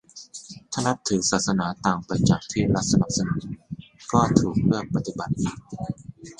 ถ้านับถือศาสนาต่างไปจากที่รัฐสนับสนุนก็ถูกเลือกปฏิบัติอีก